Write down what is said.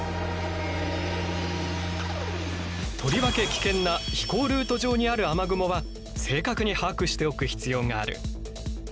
とりわけ危険な飛行ルート上にある雨雲は正確に把握しておく必要がある。